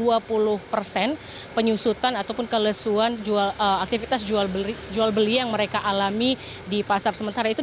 dan juga karena penyusutan ataupun kelesuan aktivitas jual beli yang mereka alami di pasar sementara itu